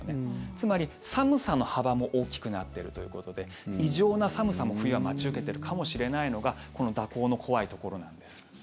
つまり、寒さの幅も大きくなっているということで異常な寒さも、冬は待ち受けているかもしれないのがこの蛇行の怖いところなんです。